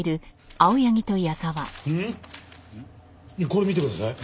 これ見てください。